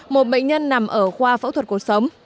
một bệnh nhân nằm ở khoa phẫu thuật cuộc sống